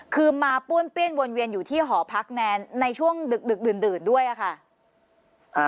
คือมาป้วนเปี้ยนวนเวียนอยู่ที่หอพักแนนในช่วงดึกดื่นด้วยอะค่ะ